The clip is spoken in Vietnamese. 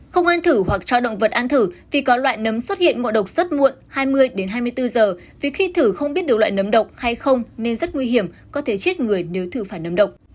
không an thử hoặc cho động vật an thử vì có loại nấm xuất hiện ngộ độc rất muộn hai mươi hai mươi bốn giờ vì khi thử không biết được loại nấm động hay không nên rất nguy hiểm có thể chết người nếu thử phải nấm độc